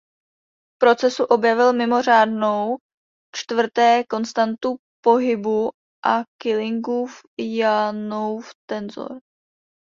V procesu objevil mimořádnou "čtvrté konstantu pohybu" a Killingův–Yanoův tenzor.